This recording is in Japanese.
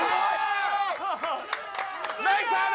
ナイスサード！